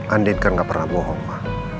andin kan gak pernah bohong ma